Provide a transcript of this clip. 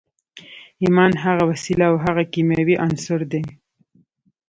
ایمان هغه وسیله او هغه کیمیاوي عنصر دی